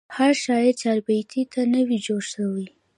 هر شاعر چاربیتې ته نه وي جوړسوی.